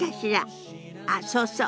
あっそうそう。